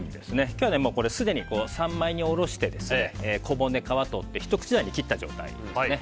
今日はすでに三枚に下ろして小骨、皮とってひと口大に切った状態です。